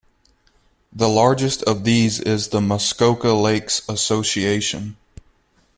The largest of these is the Muskoka Lakes Association.